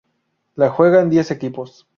La juegan diez equipos.